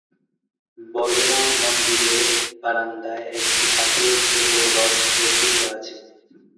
বলরাম মন্দিরের বারান্দায় একটি কাঠের ছোটো রথ রক্ষিত আছে।